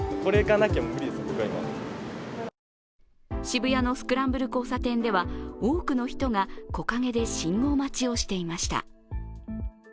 渋谷のスクランブル交差点では、多くの人が木陰で信号待ちをしていました。